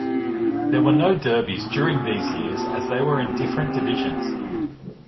There were no derbies during these years as they were in different divisions.